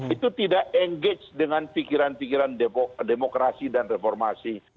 itu tidak engage dengan pikiran pikiran demokrasi dan reformasi